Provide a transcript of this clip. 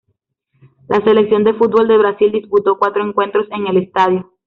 La Selección de fútbol de Brasil disputó cuatro encuentros en el estadio.